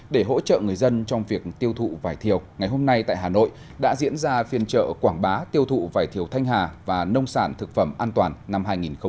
để hỗ trợ người dân trong việc tiêu thụ vải thiều ngày hôm nay tại hà nội đã diễn ra phiên trợ quảng bá tiêu thụ vải thiều thanh hà và nông sản thực phẩm an toàn năm hai nghìn một mươi chín